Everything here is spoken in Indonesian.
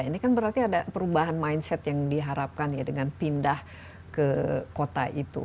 ini kan berarti ada perubahan mindset yang diharapkan ya dengan pindah ke kota itu